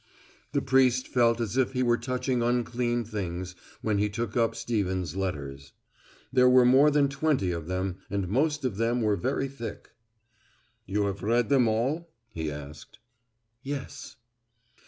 The priest felt as if he were touching unclean things when he took up Stevens' letters. There were more than twenty of them, and most of them were very thick. "You have read them all?" he asked. "Yes."